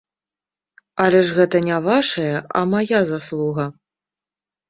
Але ж гэта не вашая, а мая заслуга.